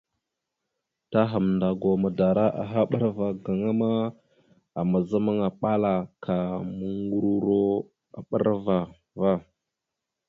Ta Hamndagwa madara aha a ɓəra ava gaŋa ma, azamaŋa aɓal ka muŋgəruro a ɓəra ava.